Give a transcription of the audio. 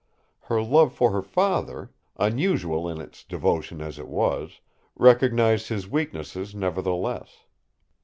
Her love for her father, unusual in its devotion as it was, recognized his weaknesses nevertheless.